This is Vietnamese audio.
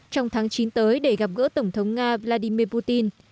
trong tháng chín tới để gặp gỡ tổng thống nga vladimir putin